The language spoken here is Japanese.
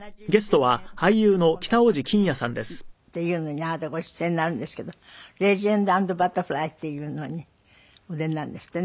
あなたご出演になるんですけど『レジェンド＆バタフライ』っていうのにお出になるんですってね。